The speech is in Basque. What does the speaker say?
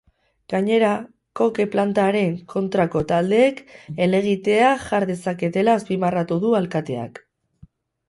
Gainera, koke plantaren kontrako taldeek helegitea jar dezaketela azpimarratu du alkateak.